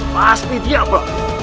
pasti dia mbak